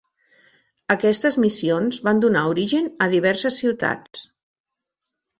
Aquestes missions van donar origen a diverses ciutats.